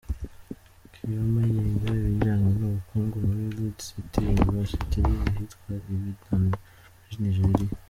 Chioma yiga ibijyanye n’ubukungu muri Lead City University iri ahitwa Ibadan muri Nigeria.